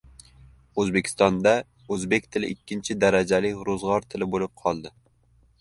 O‘zbekistonda o‘zbek tili ikkinchi darajali ro‘zg‘or tili bo‘lib qoldi.